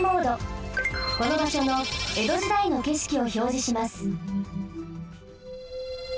このばしょの江戸時代のけしきをひょうじします。